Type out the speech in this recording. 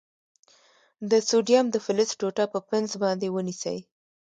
د سوډیم د فلز ټوټه په پنس باندې ونیسئ.